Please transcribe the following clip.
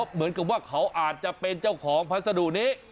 เหมือนกับว่าเขาอาจจะเป็นเจ้าของพัสดุนี้